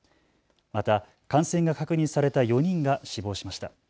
また感染が確認された４人が死亡しました。